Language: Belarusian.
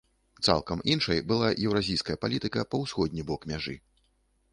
Цалкам іншай была еўразійская палітыка па ўсходні бок мяжы.